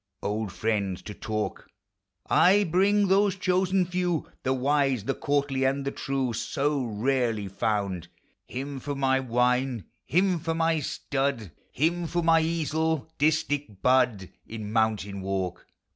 Old friends to talk !— Ay, bring those chosen few, Digitized by Google FR1EXD8RIP. The wise, the courtly, and the true, So rarely found ; Him for my wine, him for my stud, Him for my easel, distich, bud In mountain walk!